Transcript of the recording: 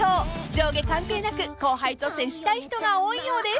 上下関係なく後輩と接したい人が多いようです］